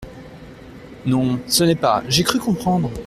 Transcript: Non… ce n’est pas… j’ai cru comprendre…